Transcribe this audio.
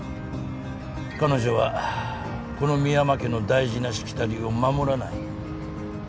彼女はこの深山家の大事なしきたりを守らない。